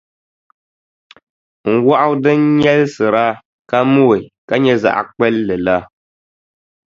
N wɔɣu din nyɛlisira ka mooi ka nyɛ zaɣʼ kpulli la.